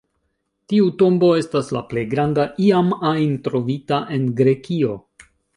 Tiu tombo estas la plej granda iam ajn trovita en Grekio.